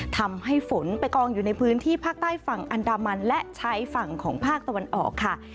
ทำให้ฝนไปกองอยู่ในพื้นที่ภาคใต้ฝั่งอันดามันและชายฝั่งของภาคตะวันออกค่ะ